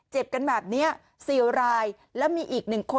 เจ็บกันแบบนี้ซีลลายแล้วมีอีกหนึ่งคนนะคะ